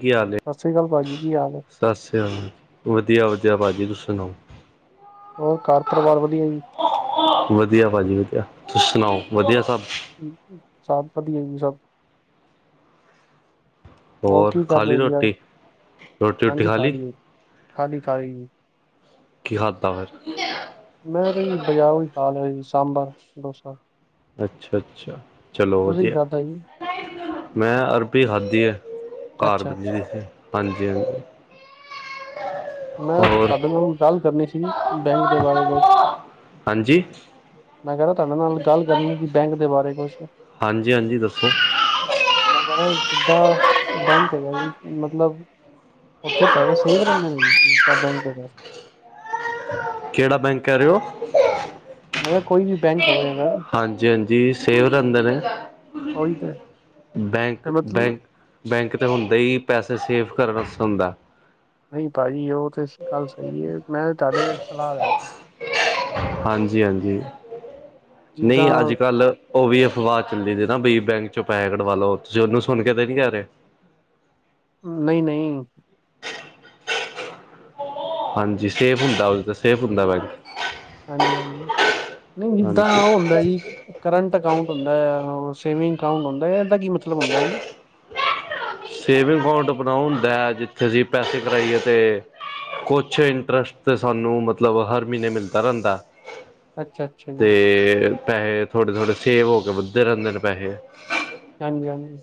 ਕੀ ਹਾਲ ਏ? ਸਾਸਰੀ ਕਾਲ ਭਾਜੀ ਕੀ ਹਾਲ ਐ। ਸਾਸਰੀ ਕਾਲ ਵਦੀਆ-ਵਦੀਆ ਭਾਜੀ ਤੁਸੀਂ ਸੁਨਾਓ ਹੋਰ ਘਰ ਪਰਿਵਾਰ ਵਦੀਆ ਜੀ। ਵਦੀਆ ਭਾਜੀ ਵਦੀਆ, ਤੁਸੀ ਸੁਨਾਓ ਵਦੀਆ ਸਬ। ਸਬ ਵਦੀਆ ਜੀ ਸਬ। ਹੋਰ ਕੀ ਕਰ ਖਾ ਲਈ ਰਏ ਜੀ ਯਾਰ ਰੋਟੀ? ਹਾਂਜੀ ਖਾ ਲਈ ਏ ਖਾਲੀ-ਖਾਲੀ ਜੀ। ਕੀ ਹਾਤਾ ਫੇਰ ਮੈਂ ਤਾਂ ਜੀ ਬਾਜਾਰੋਂ ਈ ਖ਼ਾ ਲਿਆ ਜੀ ਸਾਂਬਰ, ਡੋਸਾ। ਅੱਛਾ-ਅੱਛਾ, ਚਲੋ ਤੁਸੀਂ ਕੀ ਵਦੀਆ। ਖਾਧਾ ਜੀ ਮੈਂ ਅਰਬੀ ਖਾਦੀ ਐ ਘਰ ਅੱਛਾ ਬਨੀ ਅੱਛਾ ਹੋਈ। ਹਾਂਜੀ-ਹਾਂਜੀ। ਮੈਂ ਹੋਰ ਤੁਆਡੇ ਨਾਲ ਗੱਲ ਕਰਨੀ ਸੀ ਬੈਂਕ ਦੇ ਬਾਰੇ ਕੁਛ। ਜੀ। ਮੈਂ ਕੈ ਰੇਆਂ ਤੁਆਡੇ ਨਾਲ ਗੱਲ ਕਰਨੀ ਸੀ ਬੈਂਕ ਦੇ ਬਾਰੇ ਕੁਛ। ਹਾਂਜੀ-ਹਾਂਜੀ ਦੱਸੋ ਮੈਂ ਕੈ ਰੇਆਂ ਸਿੱਦਾ ਬੈਂਕ ਤੇ ਗਿਆ ਜੀ ਮਤਲਬ ਉੱਥੇ ਪੈਸੇ ਸੇਫ ਰਹਿੰਦੇ ਨੇ [unintelligible] ਬੈਂਕ ਹੈਗਾ। ਕਿਹੜਾ ਬੈਂਕ ਕਹਿ ਰੇ ਉ? ਮੈਂ ਕਿਹਾ ਕੋਈ ਵੀ ਬੈਂਕ ਹੋਵੇ ਹਾਂਜੀ- ਅਗਰ ਹਾਂਜੀ ਸੇਵ ਰਹਿੰਦੇ ਨੇ। ਉਹੀ ਤੇ ਤੇ ਬੈਂਕ, ਮਤਲਬ ਬੈਂਕ, ਬੈਂਕ ਤਾਂ ਹੁੰਦੇ ਹੀ ਪੈਸੇ ਸੇਵ ਕਰਨ ਆਸੇ ਹੁੰਦਾਂ। ਨਹੀਂ ਭਾਜੀ ਉਹ ਤੇ ਗੱਲ ਸਹੀ ਹੈ ਮੈਂ ਤੁਹਾਡੇ ਸਲਾਹ ਲੈ ਰਹਾਂ। ਹਾਂਜੀ- ਹਾਂਜੀ ਨਹੀਂ ਜਿੱਦਾਂ ਅੱਜ-ਕੱਲ ਉਹ ਵੀ ਅਫਵਾਹ ਚੱਲੀ ਦੀ ਨਾ ਬੀ ਬੈਂਕ ਚੋਂ ਪੈਸੇ ਕਢਵਾ ਲੋ, ਤੁਸੀਂ ਉਹਨੂੰ ਸੁਣ ਕੇ ਤੇ ਨੀ ਕਹਿ ਰਹੇ। ਨਹੀਂ-ਨਹੀਂ। ਹਾਂਜੀ ਸੇਫ ਹੁੰਦਾ ਉਹਦੇ ਤੇ ਸੇਫ ਹੁੰਦਾ ਬੈਂਕ। ਹਾਂਜੀ-ਹਾਂਜੀ ਨਹੀਂ ਜਿੱਦਾਂ ਹਾਂਜੀ ਉਹ ਹੁੰਦਾ ਜੀ ਕਰੰਟ ਅਕਾਊਂਟ ਹੁੰਦਾ ਹੈ, ਹੋਰ ਸੇਵਿੰਗ ਅਕਾਊਂਟ ਹੁੰਦਾ ਐ, ਇਹਦਾ ਕੀ ਮਤਲਬ ਹੁੰਦਾ ਜੀ। ਸੇਵਿੰਗ ਅਕਾਊਂਟ ਬਣਾਉ ਹੁੰਦਾ ਹੈ ਜਿੱਥੇ ਅਸੀਂ ਪੈਸੇ ਕਰਈਏ ਤੇ ਕੁਛ ਇੰਟਰਸਟ ਤੇ ਸਾਨੂੰ ਮਤਲਬ ਹਰ ਮਹੀਨੇ ਮਿਲਦਾ ਰਹਿੰਦਾਂ। ਅੱਛਾ ਅੱਛਾ ਜੀ ਤੇ ਪੈਸੇ ਥੋੜੇ-ਥੋੜੇ ਸੇਵ ਹੋ ਕੇ ਵੱਧਦੇ ਰਹਿੰਦੇ ਨੇ ਪੈਸੇ। ਹਾਂਜੀ-ਹਾਂਜੀ।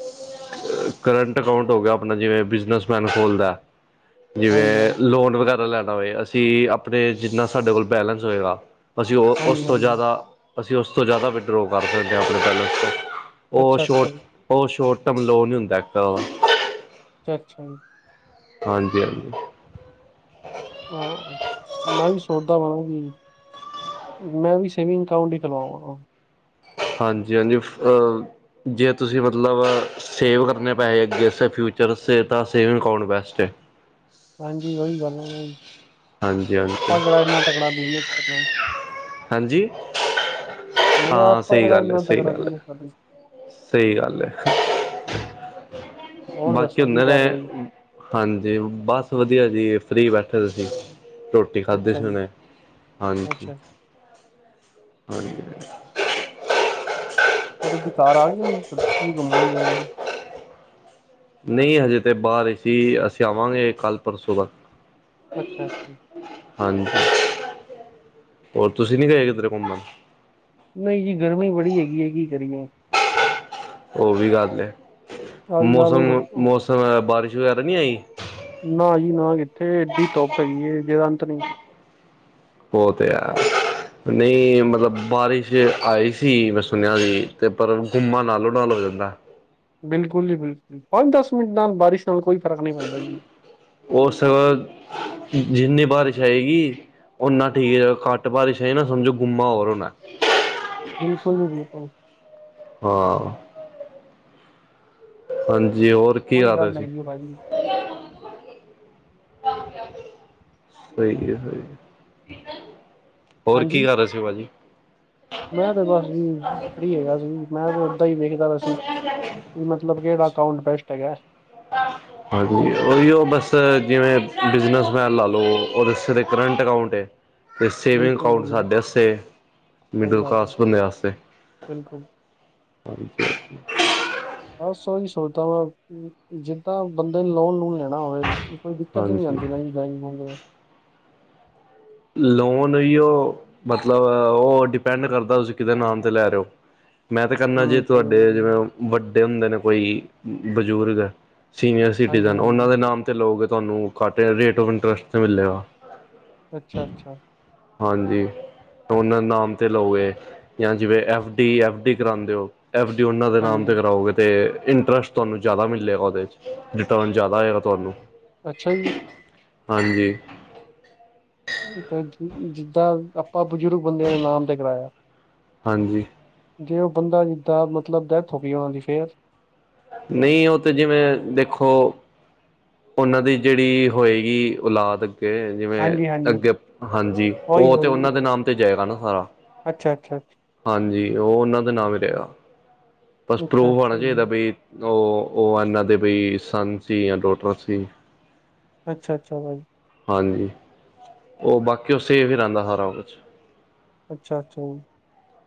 ਕਰੰਟ ਅਕਾਊਂਟ ਹੋ ਗਿਆ ਆਪਣਾ ਜਿਵੇਂ ਬਿਜਨਸਮੈਨ ਖੋਲਦਾ ਐ। ਹਾਂਜੀ ਜਿਵੇਂ ਹਾਂਜੀ ਲੋਨ ਵਗੈਰਾ ਲੈਣਾ ਹੋਵੇ, ਅਸੀਂ ਆਪਣੇ ਜਿੰਨਾ ਸਾਡੇ ਕੋਲ ਬੈਲੇਸ ਹੋਏਗਾ। ਅਸੀਂ ਉਹ ਉਸ ਹਾਂਜੀ ਤੋਂ ਹਾਂਜੀ ਜ਼ਿਆਦਾ ਅਸੀਂ ਉਸ ਤੋਂ ਜ਼ਿਆਦਾ ਵਿਡਰੋਅ ਕਰ ਸਕਦੇ ਹਾਂ ਆਪਣੇ ਬੈਲੇਸ ਚ। ਓਹ ਅੱਛਾ ਅੱਛਾ ਸ਼ੋਰਟ ਜੀ ਓਹ ਸ਼ੋਰਟ ਟਰਮ ਲੋਨ ਹੀ ਹੁੰਦਾ ਇੱਕ ਅੱਛਾ ਜੀ। ਹਾਂਜੀ-ਹਾਂਜੀ। ਹਾਂ ਮੈਂ ਵੀ ਸੋਚਦਾ ਵਾਂ ਕੀ ਮੈਂ ਵੀ ਸੇਵਿੰਗ ਅਕਾਊਂਟ ਹੀ ਖੁਲਵਾਵਾਂਗਾ। ਹਾਂਜੀ-ਹਾਂਜੀ ਫਹ ਜੇ ਤੁਸੀਂ ਮਤਲਬ ਸੇਵ ਕਰਨੇ ਪੈੇਸੇ ਅੱਗੇ ਆਸਤੇ ਫਿਊਚਰ ਵਾਸਤੇ ਤਾਂ ਸੇਵਿੰਗ ਅਕਾਊਂਟ ਬੈਸਟ ਹੈ। ਹਾਂਜੀ ਓਹੀ ਗੱਲ ਆ ਹਾਂਜੀ ਹਾਂਜੀ ਆਪਾਂ ਕਿਹੜਾ ਇਨਾ ਤਕੜਾ ਬਿਜਨਸ ਕਰਨਾ‌। ਹਾਂਜੀ ਮੈਂ ਕਿਹਾ ਹਾਂ ਆਪਾਂ ਸਹੀ ਕਿਹੜਾ ਗੱਲ ਹੈ, ਇੰਨਾ ਸਹੀ ਤਕੜਾ ਗੱਲ ਹੈ। ਬਿਜਨਸ ਕਰਨਾ ਸਹੀ ਗੱਲ ਹੈ। ਹੋਰ ਬਾਕੀ ਦੱਸੋ ਕੀ ਹੁੰਦੇ ਕਰ ਰਹੇ ਹੋ ਜੀ ਨੇ ਹਾਂਜੀ ਬਸ ਵਧੀਆ ਜੀ ਫਰੀ ਬੈਠੇ ਦੇ ਸੀ ਰੋ ਰੋਟੀ ਖਾਦੀ ਅੱਛਾ ਸੀ ਜੀ ਹੁਣੇ ਹਾਂਜੀ। ਅੱਛਾ ਹਾਂਜੀ। ਚਲ ਦੁਕਾਰਾਰ ਆ ਗਿਆ ਜੀ ਤੜਕੀ ਗੁੰਮਣ ਦੀ। ਨਹੀਂ ਹਜੇ ਤੇ ਬਾਹਰ ਹੀ ਸੀ ਅਸੀਂ ਆਵਾਂਗੇ ਕੱਲ ਪਰਸੋਂ ਤੱਕ। ਅੱਛਾ ਅੱਛਾ ਹਾਂਜੀ ਹੋਰ ਤੁਸੀਂ ਨੀ ਗਏ ਕਿਧਰੇ ਘੁੰਮਣ। ਨਹੀਂ ਜੀ ਗਰਮੀ ਬੜੀ ਹੈਗੀ ਹੈ ਕੀ ਕਰੀਏ। ਓਹ ਵੀ ਗੱਲ ਹੈ ਅੱਜ ਕੱਲ ਮੌਸਮ-ਮੌਸਮ ਬਾਰਿਸ਼ ਵਗੈਰਾ ਨਹੀਂ ਆਈ। ਨਾ ਜੀ ਨਾ ਕਿੱਥੇ ਐਡੀ ਧੁੱਪ ਹੈਗੀ ਹੈ ਜੀਦਾ ਅੰਤ ਨੀ। ਓ ਤੇ ਹੈ। ਨਹੀਂ ਮਤਲਬ ਬਾਰਿਸ਼ ਆਈ ਸੀ ਮੈਂ ਸੁਣਿਆ ਸੀ, ਤੇ ਪਰ ਗੁੰਮਾ ਨਾਲੋਂ ਨਾਲ ਹੋ ਜਾਂਦਾ ਏ। ਬਿਲਕੁਲ ਜੀ ਬਿਲਕੁਲ ਪੰਜ, ਦਸ ਮਿੰਟ ਨਾਲ ਬਾਰਿਸ਼ ਨਾਲ ਕੋਈ ਫ਼ਰਕ ਨਹੀਂ ਪੈਂਦਾ ਜੀ। ਉਸ ਜਿੰਨੀ ਬਾਰਿਸ਼ ਆਏਗੀ ਓਨਾ ਠੀਕ ਜੇ ਘਟ ਬਾਰਿਸ਼ ਆਈ ਨਾ ਸਮਝੋ ਗੁੰਮਾ ਹੋਰ ਹੋਣਾ ਐ। ਬਿਲਕੁਲ ਜੀ ਬਿਲਕੁਲ। ਹਾਂ। ਹਾਂਜੀ ਹੋਰ ਕੀ ਕੋਈ ਕਰ ਗੱਲ ਰਹੇ ਸੀ ਨਹੀਂ ਜੀ ਭਾਜੀ ਹੋਰ ਕੀ ਹਾਂਜੀ ਕਰ ਰਹੇ ਸੀ ਭਾਜੀ ਮੈਂ ਤੇ ਬਸ ਜੀ ਫ੍ਰਰੀ ਹੈਗਾ ਸੀ ਮੈਂ ਤੇ ਓਦਾਂ ਹੀ ਵੇਖਦਾ ਵੈਸੀ [unintelligible] ਮਤਲਬ ਕਿਹੜਾ ਅਕਾਉਂਟ ਬੈਸਟ ਹੈਗਾ [unintelligible] ਹਾਂਜੀ ਓਹੀ ਓਹ ਬਸ ਜਿਵੇਂ ਬਿਜਨਸਮੈਨ ਲਾ ਲਓ ਉਹਦੇ ਸਾਰੇ ਕਰੰਟ ਅਕਾਊਂਟ ਹੈ ਤੇ ਸੇਵਿੰਗ ਬਿਲਕੁਲ ਅਕਾਊਂਟ ਜੀ ਸਾਡੇ ਵਾਸਤੇ, ਸਹੀ ਮਿਡਲ ਗੱਲ ਹੈ ਕਲਾਸ ਬੰਦੇ ਵਾਸਤੇ ਬਿਲਕੁਲ ਹਾਂਜੀ ਬਸ ਓਹੀ ਸੋਚਦਾ ਵਾਂ, ਜਿੱਦਾਂ ਬੰਦੇ ਨੇ ਲੋਨ ਲੂਨ ਲੈਣਾ ਨਾ ਹੋਵੇ ਕੋਈ ਦਿੱਕਤ ਨੀ ਹਾਂਜੀ ਆਂਦੀ, ਬੈਂਕ ਬੂੰਕ ਦੇ ਲੋਨ ਹੀ ਓਹ, ਮਤਲਬ ਓਹ ਡਿਪੈਂਡ ਕਰਦਾ ਤੁਸੀਂ ਕਿਹਦੇ ਨਾਂ ਤੇ ਲੈ ਰਹੇ ਹੋ ਮੈਂ ਤਾਂ ਕਹਿਨਾ ਜੇ ਹੂੰ ਸਹੀ ਤੁਹਾਡੇ ਗੱਲ ਜਿਵੇਂ ਹੈ। ਵੱਡੇ ਹੁੰਦੇ ਨੇ ਕੋਈ ਬਜ਼ੁਰਗ ਸੀਨੀਅਰ ਹਾਂਜੀ ਸਿਟੀਜਨ, ਉਹਨਾਂ ਹਾਂਜੀ ਦੇ ਨਾਮ ਤੇ ਲਓਗੇ ਤੁਹਾਨੂੰ ਘੱਟ ਰੇਟ ਔਫ ਇੰਟਰਸਟ 'ਤੇ ਮਿਲੇਗਾ। ਅੱਛਾ ਅੱਛਾ ਹਾਂਜੀ ਉਹਨਾਂ ਨਾਮ ਤੇ ਲਓਗੇ, ਜਾਂ ਜਿਵੇਂ ਐਫ ਡੀ ਐਫ ਡੀ ਕਰਾਉਂਦੇ ਹੋ ਐਫ ਡੀ ਓਨਾ ਦੇ ਨਾਮ ਤੇ ਹਾਂਜੀ ਕਰਾਓਗੇ ਤੇ ਇੰਟਰਸਟ ਤੁਹਾਨੂੰ ਜ਼ਿਆਦਾ ਮਿਲੇਗਾ ਓਹਦੇ ਚ, ਰਿਟਰਨ ਜ਼ਿਆਦਾ ਆਏਗਾ ਤੁਹਾਨੂੰ ਅੱਛਾ ਜੀ ਹਾਂਜੀ ਤੇ ਜਿੱਦਾਂ ਆਪਾਂ ਬਜ਼ੁਰਗ ਬੰਦਿਆਂ ਦੇ ਨਾਮ ਤੇ ਕਰਾਇਆ ਹਾਂਜੀ ਜੇ ਉਹ ਬੰਦਾ ਜਿੱਦਾਂ ਮਤਲਬ ਡੈਥ ਹੋ ਗਈ ਉਹਨਾਂ ਦੀ ਫੇਰ ਨਹੀਂ ਉਹ ਤੇ ਜਿਵੇਂ ਦੇਖੋ ਉਹਨਾਂ ਦੀ ਜਿਹੜੀ ਹੋਏਗੀ ਔਲਾਦ ਅੱਗੇ ਜਿਵੇਂ ਹਾਂਜੀ ਹਾਂਜੀ ਅੱਗੇ ਹਾਂਜੀ ਉਹ ਉਹੀ ਤੇ ਉਹੀ ਉਹਨਾਂ ਦੇ ਨਾਮ ਤੇ ਜਾਏਗਾ ਨਾ ਸਾਰਾ ਅੱਛਾ ਅੱਛਾ ਅੱਛਾ ਹਾਂਜੀ ਉਹ ਉਹਨਾਂ ਦਾ ਨਾਂਵ ਵੀ ਰਹੇਗਾ, ਬਸ ਅੱਛਾ ਪ੍ਰੂਫ ਹੋਣਾ ਅੱਛਾ ਜੀ ਚਾਹੀਦਾ ਬੀ ਉਹ ਉਹ ਇਹਨਾਂ ਦੇ ਬਈ ਸੰਨ ਸੀ ਜਾਂ ਡੋਟਰ ਸੀ ਅੱਛਾ ਅੱਛਾਾ ਓ ਹਾਂਜੀ ਉਹ ਬਾਕੀ ਉਹ ਸੇਫ ਹੀ ਰਹਿੰਦਾ ਸਾਰਾ ਕੁਛ ਅੱਛਾ ਅੱਛਾ ਜੀ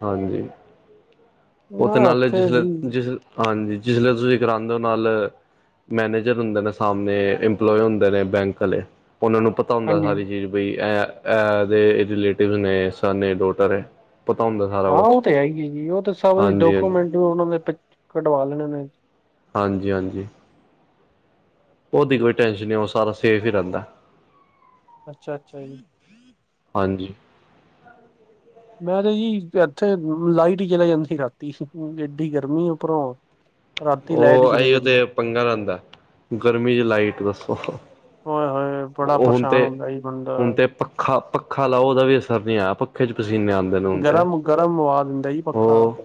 ਹਾਂਜੀ ਉਹ ਤੇ ਮੈਂ ਨਾਲ ਉੱਥੇ ਜਿਸਲੇ ਜੀ ਜਿਸ ਹਾਂਜੀ ਜਿਸਲੇ ਤੁਸੀਂ ਕਰਾਂਉਦੇ ਹੋ ਨਾਲ ਮੈਨੇਜਰ ਹੁੰਦੇ ਨੇ ਸਾਹਮਣੇ ਇੰਪਲੋਏ ਹੁੰਦੇ ਨੇ ਬੈਂਕ ਵਾਲੇ ਉਹਨਾਂ ਨੂੰ ਪਤਾ ਪਤਾ ਹੁੰਦਾ ਹਾਂਜੀ ਸਾਰੀ ਚੀਜ਼ ਬਈ ਇਹ ਇਹਦੇ ਰਿਲੇਟਿਵ ਨੇ, ਸੰਨ ਏ ਡੋਟਰ ਹੈ ਪਤਾ ਹੁੰਦਾ ਸਾਰਾ ਹਾਂ ਕੁਛ ਉਹ ਤੇ ਹੈ ਹੀ, ਉਹ ਤੇ ਸਭ ਹਾਂਜੀ ਹਾਂਜੀ ਡਾਕੂਮੈਂਟ ਉਹਨਾਂ ਦੇ ਕਢਵਾ ਲੈਣੇ ਨੇ ਹਾਂਜੀ ਹਾਂਜੀ ਉਹਦੀ ਕੋਈ ਟੈਨਸ਼ਨ ਨਹੀਂ ਉਹ ਸਾਰਾ ਸੇਫ ਹੀ ਰਹਿੰਦਾ ਅੱਛਾ ਅੱਛਾ ਜੀ ਹਾਂਜੀ [inaudible] ਮੈਂ ਤੇ ਜੀ, ਇੱਥੇ ਲਾਈਟ ਹੀ ਚਲੇ ਜਾਂਦੀ ਰਾਤੀ ਏਡੀ ਗਰਮੀ ਉਪਰੋਂ ਉਹ ਆਈ ਓ ਤੇ ਪੰਗਾ ਰਹਿੰਦਾ, ਗਰਮੀ ਚ ਲਾਈਟ ਦੱਸੋ। ਹੋਏ ਹੋਏ ਬੜਾ ਉਹ ਹੁਣ ਪਰੇਸ਼ਾਨ ਤੇ ਹੁੰਦਾ ਈ ਬੰਦਾ। ਹੁਣ ਤੇ ਪੱਖਾ ਪੱਖਾ ਲਾਓ ਉਹਦਾ ਵੀ ਅਸਰ ਨਹੀਂ ਆਇਆ ਪੱਖੇ ਚ ਪਸੀਨੇ ਆਂਦੇ। ਗਰਮ-ਗਰਮ ਵਾਅ ਦਿੰਦਾ ਈ ਪੱਖਾ। ਉਹ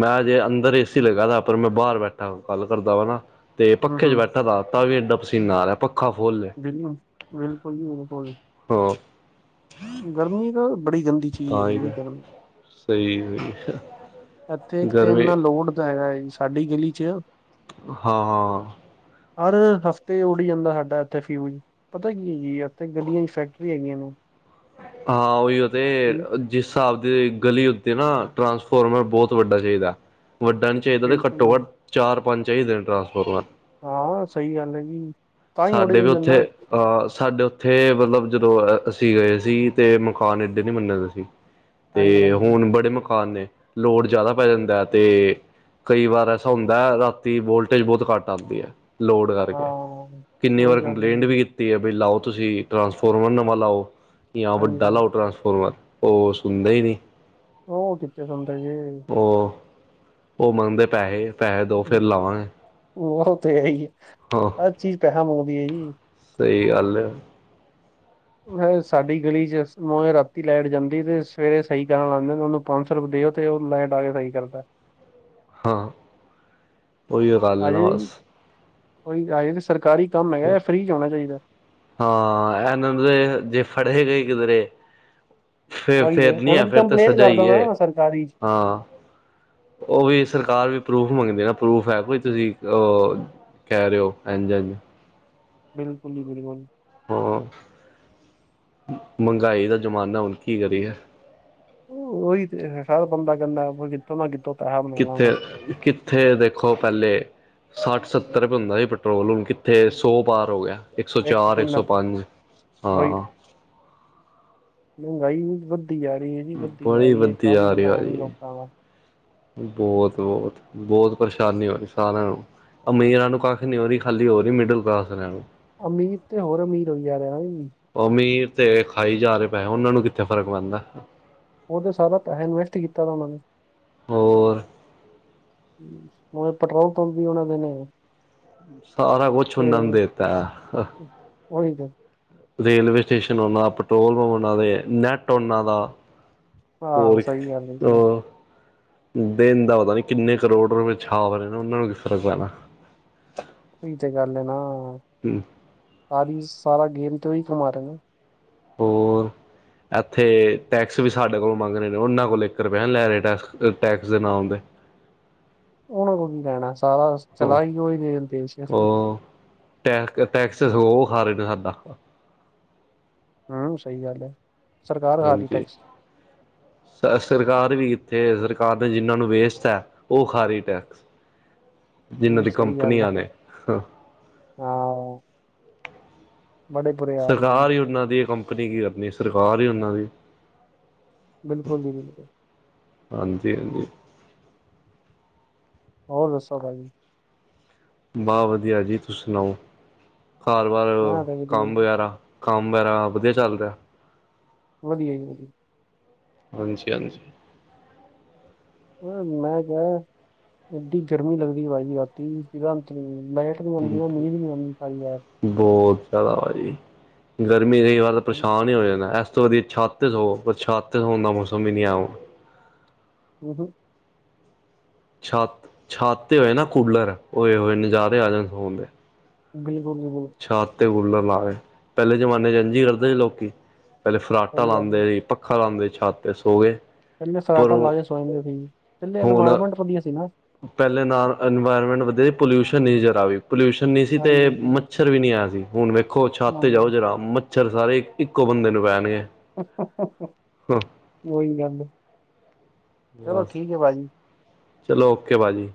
ਮੈਂ ਜੇ ਅੰਦਰ ਏ-ਸੀ ਲਗਾਦਾ ਪਰ ਮੈਂ ਬਾਹਰ ਬੈਠਾ ਗੱਲ ਕਰਦਾ ਵਾ ਨਾ। ਤੇ ਪੱਖੇ ਚ ਹੂੰ ਬੈਠਾ ਤਾਂ ਵੀ ਏਨਾ ਪਸੀਨਾ ਆ ਰਿਹਾ ਪੱਖਾ ਫੁੱਲ ਏ ਬਿਲਕ ਬਿਲਕੁਲ ਜੀ ਬਿਲਕੁਲ। ਹਾਂ। ਗਰਮੀ ਤਾਂ ਬੜੀ ਗੰਦੀ ਚੀਜ਼ ਤਾਂ ਹੀ ਹੈਗੀ ਜੀ ਕਿਹਾ, ਗਰਮੀ ਸਹੀ ਵੀ ਆ। ਇੱਥੇ ਇੱਕ ਤੇ ਇੰਨਾ ਲੋਡ ਦਾ ਹੈਗਾ ਏ ਸਾਡੀ ਗਲੀ ਚ। ਹਾਂ। ਹਰ ਹਫ਼ਤੇ ਉਡ ਹੀ ਜਾਂਦਾ ਸਾਡਾ ਇੱਥੇ ਫਿਊਜ਼। ਪਤਾ ਕੀ ਐ ਜੀ ਇੱਥੇ ਗਲੀਆਂ ਚ ਫੈਕਟਰੀਆਂ ਹੈਗੀਆਂ ਨੇ। ਹਾਂ ਓਹੀਓ ਤੇ ਹੂੰ, ਜਿਸ ਹਿਸਾਬ ਦੇ ਗਲੀ ਉੱਤੇ ਨਾ ਟਰਾਂਸਫੋਰਮਰ ਬਹੁਤ ਵੱਡਾ ਚਾਹੀਦਾ, ਵੱਡਾ ਨ ਚਾਹੀਦਾ ਤੇ ਘੱਟੋ ਘੱਟ ਬਿਲਕੁਲ ਚਾਰ ਪੰਜ ਚਾਹੀਦੇ ਨੇ ਟਰਾਂਸਫੋਰਮਰ। ਹਾਂ ਸਹੀ ਗੱਲ ਐ ਜੀ। ਤਾਂ ਹੀ ਉਡ ਸਾਡੇ ਵੀ ਜਾਂਦੇ ਨੇ ਉੱਥੇ ਨਾ ਅਹ ਸਾਡੇੇ ਇੱਥੇ ਮਤਲਬ ਜਦੋਂ ਅਸੀਂ ਗਏ ਸੀ ਤੇ ਮਕਾਨ ਏਡੇ ਨਹੀਂ ਬਣੇ ਦੇ ਸੀ। ਹਾਂਜੀ ਤੇ ਹਾਂਜੀ ਹੁਣ ਬੜੇ ਮਕਾਨ ਨੇ, ਲੋਡ ਜ਼ਿਆਦਾ ਪੈ ਜਾਂਦਾ ਤੇ ਕਈ ਵਾਰ ਐਸਾ ਹੁੰਦਾ ਰਾਤੀ ਵੋਲਟੇਜ ਬਹੁਤ ਘੱਟ ਆਂਦੀ ਐ ਲੋਡ ਕਰਕੇ। ਹਾਂ ਕਿੰਨੀ ਵਾਰ ਉਹੀ ਗੱਲ ਹੈ ਕੰਪਲੇਂਟ ਵੀ ਕੀਤੀ ਐ ਬਈ ਲਾਉ ਤੁਸੀਂ ਟਰਾਂਸਫੋਰਮਰ ਨਵਾਂ ਲਾਉ। ਜਾਂ ਹਾਂਜੀ ਵੱਡਾ ਹਾਂਜੀ ਲਾਉ ਟਰਾਂਸਫੋਰਮਰ ਉਹ ਸੁਣਦੇ ਹੀ ਨਹੀਂ। ਓ ਕਿੱਥੇ ਸੁਣਦੇ ਜੀ। ਓ ਉਹ ਮੰਗਦੇ ਪੈਹੇ। ਉਹ ਤੇ ਹੈ ਹੀ ਐ, ਹਾਂ ਹਰ ਚੀਜ਼ ਪੈਸਾ ਮੰਗਦੀ ਐ ਜੀ। ਸਹੀ ਗੱਲ। ਸਾਡੀ ਗਲੀ ਚ ਨੋ ਰਾਤੀ ਲੈਟ ਜਾਂਦੀ ਤੇ ਸਵੇਰੇ ਸਹੀ ਕਰਨ ਆਂਦੇ ਨੇ ਉਹਨੂੰ। ਪੰਜ ਸੋ ਰੁਪਏ ਦਿਓ ਤੇ ਉਹ ਲਾਈਟ ਆ ਕੇ ਸਹੀ ਕਰਦਾ। ਹਾਂ, ਓਹੀਓ ਗੱਲ ਐ ਨਾ ਬਸ। ਕੋਈ ਆਏ ਤੇ ਸਰਕਾਰੀ ਕੰਮ ਹੈਗਾ ਜਾਂ ਫਰੀ ਚ ਹੋਣਾ ਚਾਹੀਦਾ। ਹਾਂ ਇਹਨਾਂ ਨੂੰ ਜੇ ਫੜੇ ਗਏ ਕਿਧਰੇ। ਫੇਰ ਤੇ ਉਹੀ ਫੇਰ ਨੀ ਆ ਉਹਨਾਂ ਦੀ ਫੇਰ ਤਾਂ ਕੰਪਲੇਂਟ ਸਜ਼ਾ ਕਰ ਹੀ ਐ ਦੇਣਾ ਸਰਕਾਰੀ ਚ ਹਾਂ। ਉਹ ਵੀ ਸਰਕਾਰ ਵੀ ਪਰੂਫ ਮੰਗਦੀ ਨਾ ਪਰੂਫ ਹੈ ਕੋਈ ਤੁਸੀਂ ਅਹ ਕੈਅ ਰਹੇ ਓ ਐਜ ਐਜ। ਬਿਲਕੁਲ ਜੀ ਬਿਲਕੁਲ। ਹਾਂ, ਮੰਗਾਈ ਦਾ ਜ਼ਮਾਨਾ ਹੁਣ ਕੀ ਕਰੀਏ। ਓਹੀ ਤੇ ਹਰ ਬੰਦਾ ਕਹਿੰਦਾ ਆਉਣਾ ਕਿੱਥੋਂ ਪੈ ਕਿੱਥੇ ਕਿੱਥੇ ਦੇਖੋ ਪਹਿਲੇ, ਸੱਠ ਸੱਤਰ ਰੁਪਏ ਹੁੰਦਾ ਸੀ ਪੈਟਰੋਲ ਹੁਣ ਕਿੱ ਕਿੱਥੇ ਸੌ ਪਾਰ ਹੋ ਗਿਆ, ਇੱਕ ਸੌ ਚਾਰ ਇੱਕ ਸੌ ਪੰਜ ਉਹੀ ਹਾਂ। ਮਹਿੰਗਾਈ ਐਨੀ ਵੱਧਦੀ ਜਾ ਰਹੀ ਐ ਜੀ ਵੱਧਦੀ ਜਾ ਬੜੀ ਰਹੀ ਐ ਵੱਧਦੀ ਕੰਮ ਜਾ ਰਹੀ ਐਨਾ ਹੈਨੀ ਭਾਜੀ ਲੋਕਾਂ ਦਾ। ਬਹੁਤ ਬਹੁਤ ਬਹੁਤ ਪਰੇਸ਼ਾਨੀ ਹੋ ਰਹੀ ਸਾਰਿਆਂ ਨੂੰ। ਅਮੀਰਾਂ ਨੂੰ ਕੱਖ ਨਹੀਂ ਹੋ ਰਹੀ, ਖਾਲੀ ਹੋ ਰਹੀ ਮਿਡਲ ਕਲਾਸ ਵਾਲਿਆਂ ਨੂੰ। ਅਮੀਰ ਤੇ ਹੋਰ ਅਮੀਰ ਹੋਈ ਜਾ ਰਿਹਾ ਐ। ਅਮੀਰ ਤੇ ਖਾਈ ਜਾ ਰਹੇ ਪੈਹੈ, ਉਹਨਾ ਨੂੰ ਕਿੱਥੇ ਫ਼ਰਕ ਪੈਂਦਾ। ਉਹ ਤੇ ਸਾਰਾ ਪੈਹਾ ਇਨਵੈਸਟ ਕੀਤਾ ਦਾ ਉਹਨਾਂ ਨੇ। ਹੋਰ! ਹੋਰ ਪੈਟਰੋਲ ਪੰਪ ਵੀ ਉਹਨਾਂ ਦੇ ਨੇ। ਸਾਰਾ ਕੁਛ ਤੇ ਓਨਾਂ ਨੂੰ ਦੇਤਾ। ਉਹੀ ਤੇ ਰੇਲਵੇ ਸਟੇਸ਼ਨ ਉਹਨਾਂ ਦਾ, ਪੈਟਰੋਲ ਪੰਪ ਉਹਨਾਂ ਦੇ, ਨੈੱਟ ਉਹਨਾਂ ਦਾ ਹਾਂ ਹੋਰ ਸਹੀ ਗੱਲ ਹੈ ਜੀ ਤੋ ਦਿਨ ਦਾ ਪਤਾ ਨਹੀਂ ਕਿੰਨੇ ਕਰੋੜ ਰੁਪਏ ਛਾਪ ਰਹੇ ਨੇ, ਉਹਨਾਂ ਨੂੰ ਕੀ ਫਰਕ ਪੈਣਾ। ਉਈ ਤੇ ਗੱਲ ਨਾ ਹੂੰ। ਆਵੀ ਸਾਰਾ ਗੇਮ ਤੋ ਹੀ ਕਮਾ ਰਹੀਆਂ। ਹੋਰ [inaudible] ਇੱਥੇ ਟੈਕਸ ਵੀ ਸਾਡੇ ਕੋਲ ਮੰਗ ਰਹੇ ਨੇ, ਉਹਨਾਂ ਕੋਲ ਇੱਕ ਰੁਪਇਆ ਨਹੀਂ ਲੈ ਰਹੇ ਟੈਕ ਟੈਕਸ ਦੇ ਨਾਮ ਤੇ। ਓਨਾਂ ਕੋਲ ਕੀ ਲੈਣਾ, ਸਾਰਾ ਉਹ ਚਲਾ ਹੀ ਉਈ ਰਹੇ ਦੇਸ਼। ਉਹ ਟੈਕ ਟੈਕਸ ਉਹ ਖਾ ਰਹੇ ਨੇ ਸਾਡਾ। ਹੂੰ ਸਹੀ ਗੱਲ ਐ। ਹਾਂਜੀ। [inaudible] ਸਰਕਾਰ ਵੀ ਇੱਥੇ, ਸਰਕਾਰ ਨੇ ਜਿਨਾਂ ਨੂੰ ਵੇਸਤ ਐ, ਓ ਖਾ ਰੀ ਟੈਕਸ ਜਿਨ੍ਹਾਂ ਹੂੰ, ਦੀ ਸਹੀ ਗੱਲ ਐ, ਕੰਪਨੀਆਂ ਨੇ ਹਾਂ। ਹਾਂ। ਬੜੇ ਬੁਰੇ ਹਾਲ ਨੇ ਜੀ ਸਰਕਾਰ ਹੀ ਉਹਨਾਂ ਦੀ ਐ, ਕੰਪਨੀ ਕੀ ਆਪਣੀ, ਸਰਕਾਰ ਹੀ ਓਨਾਂ ਦੀ ਬਿਲਕੁਲ ਜੀ ਬਿਲਕੁਲ। ਹਾਂਜੀ -ਹਾਂਜੀ। ਹੋਰ ਦੱਸੋ ਭਾਜੀ? ਬਹ ਵਧੀਆ ਜੀ, ਤੁਸੀਂ ਸੁਣਾਓ, ਘਰ ਬਾਰ ਮੈਂ ਤਾਂ ਵਧੀਆ ਕੰਮ ਵਗੈਰਾ ਕੰਮ ਵਗੈਰਾ ਵਧੀਆ ਚੱਲ ਰਿਹਾ? ਵਧੀਆ ਜੀ ਵਧੀਆ। ਹਾਂਜੀ -ਹਾਂਜੀ। ਮੈਂ ਕਿਹਾ, ਏਡੀ ਗਰਮੀ ਲੱਗਦੀ ਬ ਰਾਤੀ ਸੀਗਾ ਆਉਂਦੀ ਨੀਂਦ ਵੀ ਆਉਂ ਪਾਈ ਐ। ਬਹੁਤ ਜ਼ਿਆਦਾ ਭਾਜੀ, ਗਰਮੀ ਦੀ ਵਾਰ ਤਾਂ ਹਮ, ਪਰੇਸ਼ਾਨ ਹੀ ਹੋ ਜਾਣਾ ਐਸ ਛੱਤ ਤੇ ਸੌਂ ਪਰ ਛੱਤ ਤੇ ਸੋਣ ਦਾ ਮੌਸਮ ਵੀ ਨਹੀਂ ਆਇਆ ਹੁਣ। ਅ, ਹੂੰ ਛਤ -ਛਤ ਤੇ ਹੋਏ ਨਾ ਕੂਲਰ, ਓਏ ਹੋਏ ਨਜ਼ਾਰੇ ਆ ਜਾਣ ਸੋਣ ਦੇ। ਬਿਲਕੁਲ ਜੀ ਬਿਲਕੁਲ। ਛੱਤ ਤੇ ਕੂਲਰ ਲਾਵੇ, ਪਹਿਲੇ ਜ਼ਮਾਨੇ ਚ ਇੰਝ ਹੀ ਕਰਦੇ ਸੀ ਲੋਕੀ, ਪਹਿਲੇ ਫਰਾਟਾ ਸਹੀ ਗੱਲ ਹੈ ਲਾਂਦੇ ਸੀ ਪੱਖਾ ਲਾਂਦੇ ਹੀ ਛੱਤ ਤੇ ਸੋ ਗਏ। ਪਹਿਲੇ ਸਲਾਟਾ ਪਰ ਲਾ ਕੇ ਸੋ ਜਾਂਦੇ ਸੀ, ਪਹਿਲੇ ਹੁਣ ਇਨਵਾਇਰਮੈਂਟ ਵਧੀਆ ਸੀ ਨਾ। ਪਹਿਲੇ ਨਾਰ ਇਨਵਾਇਰਮੈਂਟ ਵਧੀਆ ਸੀ, ਪੋਲਿਊਸ਼ਨ ਨਹੀਂ ਜਰਾ ਵੀ, ਪੋਲਿਊਸ਼ਨ ਨਹੀਂ ਸੀ ਤੇ ਮ ਹਾਂਜੀ ਛਰ ਵੀ ਨਹੀਂ ਹੈ ਸੀ, ਹੁਣ ਵੇਖੋ ਛੱਤ ਤੇ ਜਾਓ ਹਾਂਜੀ। ਜਰਾ ਮੱਛਰ ਸਾਰੇ ਇੱਕੋ ਬੰਦੇ ਨੂੰ ਪੈਣਗੇ। [unintelligible] ਹੂੰ। ਉਈ ਗੱਲ, ਚਲੋ ਬਸ ਠੀਕ ਐ ਭਾਜੀ। ਚਲੋ ਓਕੇ ਭਾਜੀ।